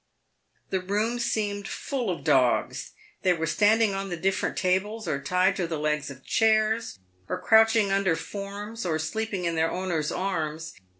. The room seemed full of dogs. They were standing on the different tables, or tied to the legs of chairs, or crouching under forms, or sleeping in their owners' arms.